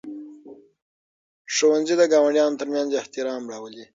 ښوونځي د ګاونډیانو ترمنځ احترام راولي.